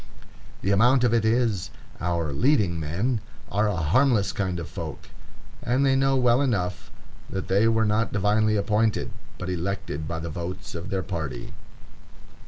The amount of it is, our "leading men" are a harmless kind of folk, and they know well enough that they were not divinely appointed, but elected by the votes of their party.